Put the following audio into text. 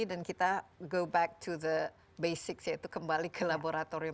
dan kita kembali ke dasar yaitu kembali ke laboratorium